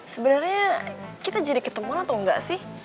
sebenarnya kita jadi ketemuan atau enggak sih